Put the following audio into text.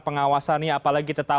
pada tokoh agama